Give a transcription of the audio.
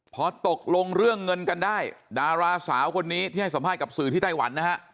พอตกลงเรื่องเงินกันได้ดาราสาวคนนี้ที่ให้สัมภาษณ์กับสื่อที่ไต้หวันนะฮะ